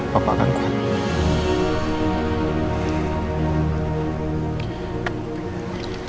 bapak akan kuat